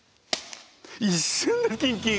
一瞬でキンキン。